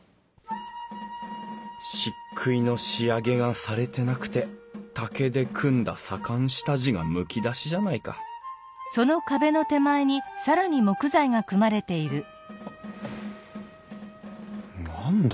しっくいの仕上げがされてなくて竹で組んだ左官下地がむき出しじゃないか何だ？